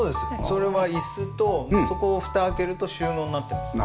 それは椅子とそこをふた開けると収納になってます。